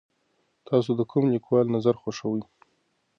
تاسو د کوم لیکوال نظر خوښوئ؟